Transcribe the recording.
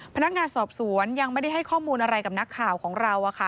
พนักงานสอบสวนยังไม่ได้ให้ข้อมูลอะไรกับนักข่าวของเรา